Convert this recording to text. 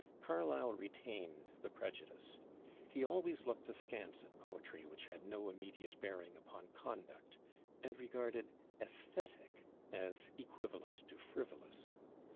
Carlyle retained the prejudice. He always looked askance at poetry which had no immediate bearing upon conduct, and regarded "æsthetic" as equivalent to frivolous.